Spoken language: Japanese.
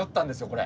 これ。